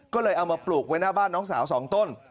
ก็เลยเอามาปลูกไว้หน้าบ้านน้องสาว๒ต้น